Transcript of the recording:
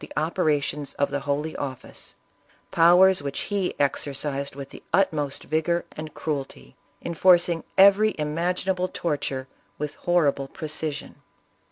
the operations of the Holy Of fice— powers which he exercised with the utmost vigor and cruelty, enforcing every imaginable torture with 88 ISABELLA OF CASTILE. horrible precision.